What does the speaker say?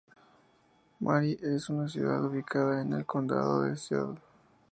Mary es una ciudad ubicada en el condado de Ste.